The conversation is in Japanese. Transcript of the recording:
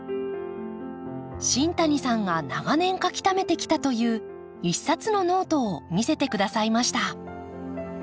新谷さんが長年書きためてきたという一冊のノートを見せてくださいました。